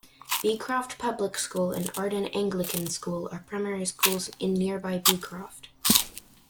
Beecroft Public School and Arden Anglican School are primary schools in nearby Beecroft.